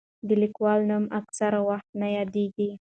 د لیکوال نوم اکثره وخت نه یادېږي.